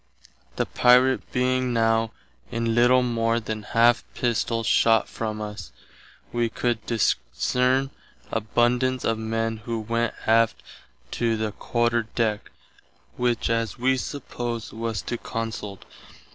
The Pirate being now in little more than half Pistoll shott from us, wee could discerne abundance of men who went aft to the Quarter Deck, which as wee suppose was to consult.